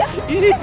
aku akan menang